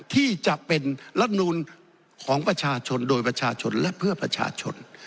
ที่จะเป็นรัฐมนูลของประชาชนโดยประชาชนและเพื่อประชาชน